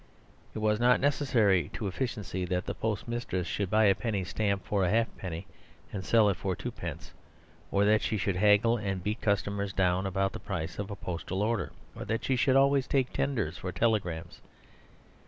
It was not necessary to efficiency that the postmistress should buy a penny stamp for a halfpenny and sell it for twopence; or that she should haggle and beat customers down about the price of a postal order; or that she should always take tenders for telegrams.